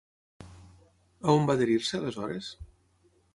On va adherir-se, aleshores?